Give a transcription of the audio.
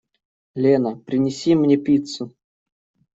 Лена, принеси мне пиццу.